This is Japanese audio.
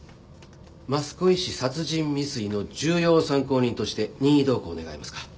益子医師殺人未遂の重要参考人として任意同行願えますか？